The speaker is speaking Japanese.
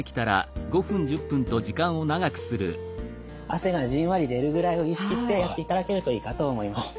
汗がじんわり出るぐらいを意識してやっていただけるといいかと思います。